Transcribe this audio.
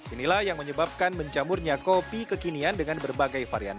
inilah yang menyebabkan menjamurnya kopi kekinian dengan berbagai varian